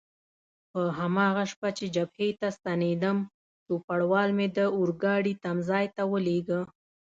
په هماغه شپه چې جبهې ته ستنېدم، چوپړوال مې د اورګاډي تمځای ته ولېږه.